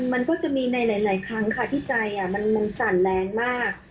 มันก็จะมีในหลายครั้งค่ะที่ใจมันสั่นแรงมาก